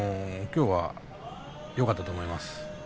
きょうはよかったと思います。